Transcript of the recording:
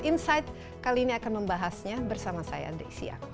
insight kali ini akan membahasnya bersama saya desya aqara